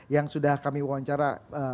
yang sudah kami wawancara